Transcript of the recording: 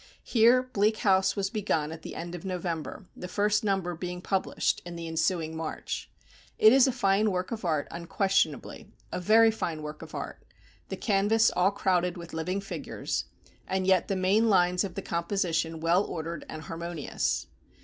Here "Bleak House" was begun at the end of November, the first number being published in the ensuing March. It is a fine work of art unquestionably, a very fine work of art the canvas all crowded with living figures, and yet the main lines of the composition well ordered and harmonious.